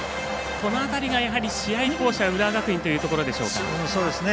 この辺りが試合巧者、浦和学院というところでしょうか。